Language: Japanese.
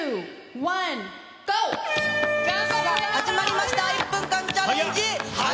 始まりました、１分間チャレンジ。